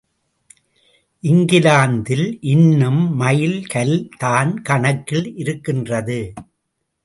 இங்கிலாந்தில் இன்னும் மைல் கல் தான் கணக்கில் இருக்கின்றது.